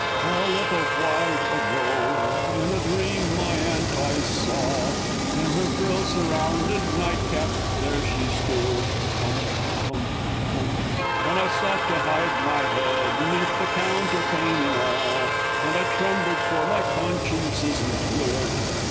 _) A little while ago, in a dream my aunt I saw; In her frill surrounded night cap there she stood! (Tum tum tum!) And I sought to hide my head 'neath the counterpane in awe, And I trembled for my conscience isn't good!